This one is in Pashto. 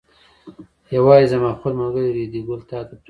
یوازې ځم او خپل ملګری ریډي ګل تا ته پرېږدم.